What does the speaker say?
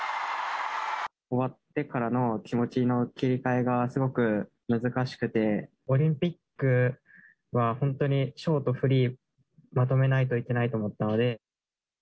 終わってからの気持ちの切り替えがすごく難しくて、オリンピックは本当にショート、フリー、まとめないといけないと思ったので。